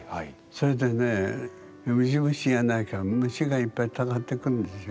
それでねウジ虫やなにか虫がいっぱいたかってくるんですよ。